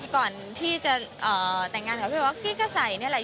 ก่อนที่จะแต่งงานกับพี่ว่ากี้ก็ใส่นี่แหละ